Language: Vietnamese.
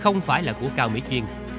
không phải là của cao mỹ chiên